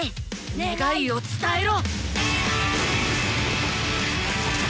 願いを伝えろ！